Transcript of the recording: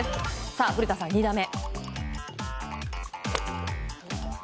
さあ古田さん、２打目。